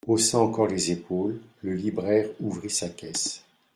Haussant encore les épaules, le libraire ouvrit sa caisse.